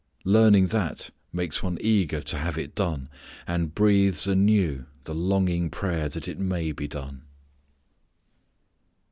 Learning that makes one eager to have it done, and breathes anew the longing prayer that it may be done.